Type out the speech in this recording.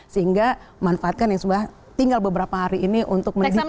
sehingga manfaatkan yang sudah tinggal beberapa hari ini untuk meningkatkan